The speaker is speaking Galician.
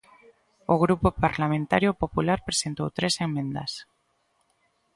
O Grupo Parlamentario Popular presentou tres emendas.